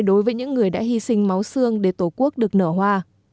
đối với những người đã hy sinh máu xương để tổ quốc được nở hoa